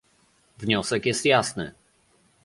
Wniosek jest jasny